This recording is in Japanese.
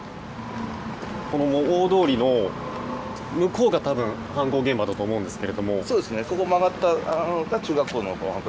大通りの向こうが多分犯行現場だと思うんですが。